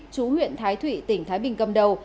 chú huyện thái thụy tỉnh thái bình cầm đầu